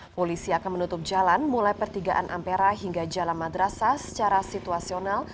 polisi akan menutup jalan mulai pertigaan ampera hingga jalan madrasah secara situasional